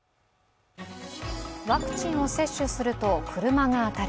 ワクチンを接種すると車が当たる。